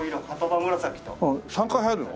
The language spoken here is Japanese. ３回入るの？